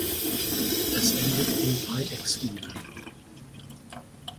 Es endet in Dreiecksgiebeln.